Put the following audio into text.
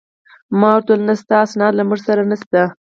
ما ورته وویل: نه، ستا اسناد له موږ سره نشته.